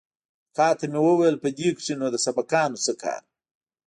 اکا ته مې وويل په دې کښې نو د سبقانو څه کار.